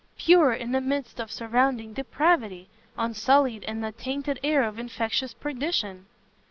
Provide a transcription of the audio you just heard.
pure in the midst of surrounding depravity! unsullied in the tainted air of infectious perdition!"